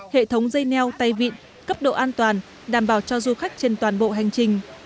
hệ thống dây neo tay vịn cấp độ an toàn đảm bảo cho du khách trên toàn bộ hành trình